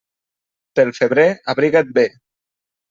Pel febrer, abriga't bé.